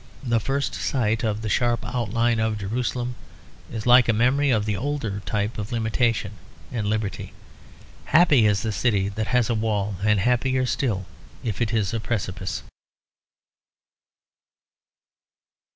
The first sight of the sharp outline of Jerusalem is like a memory of the older types of limitation and liberty. Happy is the city that has a wall; and happier still if it is a precipice.